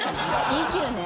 言いきるね。